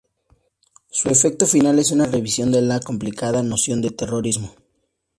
Su efecto final es una revisión de la complicada noción de terrorismo.